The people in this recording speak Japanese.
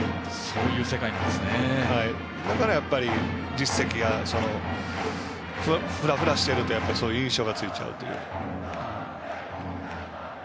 だから、実績がふらふらしているとやっぱり、そういう印象がつくという。